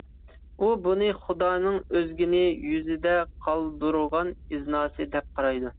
ئۇ بۇنى خۇدانىڭ ئۆزگىنىڭ يۈزىدە قالدۇرغان ئىزناسى دەپ قارايدۇ.